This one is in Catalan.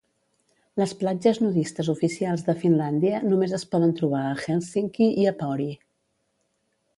Les platges nudistes oficials de Finlàndia només es poden trobar a Hèlsinki i a Pori.